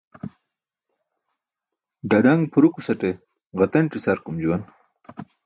Ḍaḍaṅ phurukusate ġatenc̣ isakurum juwan